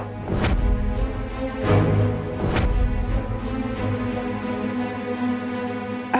aku punya bella